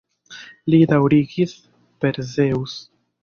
Li daŭrigis: Per Zeŭs!